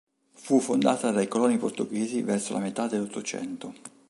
Fu fondata dai coloni portoghesi verso la metà dell'ottocento.